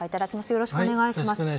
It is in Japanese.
よろしくお願いします。